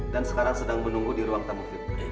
dan sekarang sedang menunggu di ruang tamu